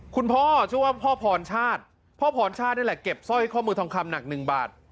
คุณพ่อชื่อว่าพ่อพรชาติพ่อพรชาตินี่แหละเก็บสร้อยข้อมือทองคำหนักหนึ่งบาท